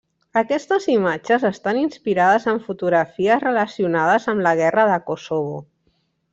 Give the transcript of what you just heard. Aquestes imatges estan inspirades en fotografies relacionades amb la Guerra de Kosovo.